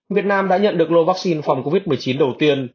việt nam đã nhận được lô vaccine phòng covid một mươi chín đầu tiên